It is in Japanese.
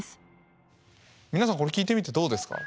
皆さんこれ聞いてみてどうですか？